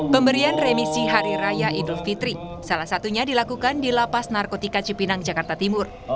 pemberian remisi hari raya idul fitri salah satunya dilakukan di lapas narkotika cipinang jakarta timur